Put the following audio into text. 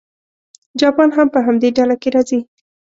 جاپان هم په همدې ډله کې راځي.